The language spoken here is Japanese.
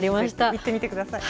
行ってみてください。